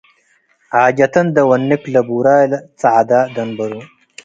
ዓጀተን ደወንክ ለቡራይ ጸዐደ ደንብሩ፣